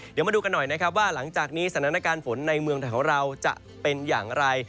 เดี๋ยวมาดูกันหน่อยนะครับว่าหลังจากนี้สถานการณ์ฝนในเมืองไทยของเราจะเป็นอย่างไร